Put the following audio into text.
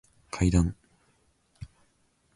階段